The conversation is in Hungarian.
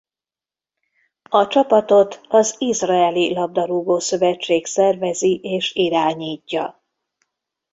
A csapatot az izraeli labdarúgó-szövetség szervezi és irányítja.